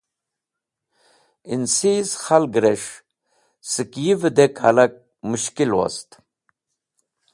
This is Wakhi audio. Ẽnsiz khalgẽres̃h sẽk yi vẽdek hẽlak mushkil wost